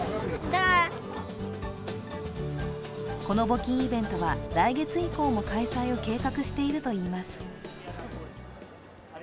この募金イベントは来月以降も開催を計画しているといいます。